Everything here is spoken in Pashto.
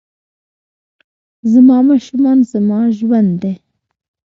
زما ماشومان زما ژوند دي